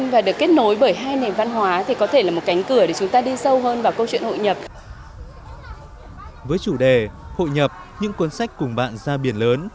với chủ đề hội nhập những cuốn sách cùng bạn ra biển lớn